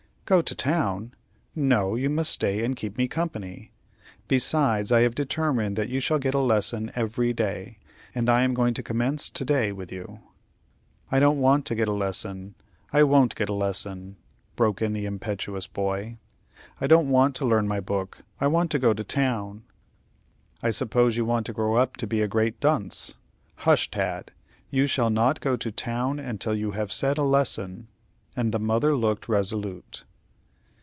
"Go to town! No; you must stay and keep me company. Besides, I have determined that you shall get a lesson every day, and I am going to commence to day with you." "I don't want to get a lesson I won't get a lesson," broke in the impetuous boy. "I don't want to learn my book; I want to go to town!" "I suppose you want to grow up to be a great dunce. Hush, Tad; you shall not go to town until you have said a lesson;" and the mother looked resolute.